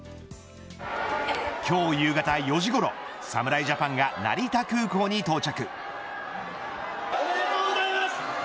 今日夕方４時ごろ侍ジャパンが成田空港に到着。